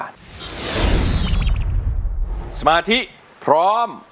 เพลงเก่งของคุณครับ